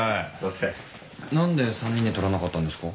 何で３人で撮らなかったんですか？